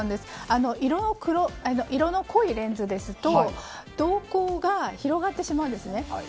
色の濃いレンズですと瞳孔が広がってしまうんです。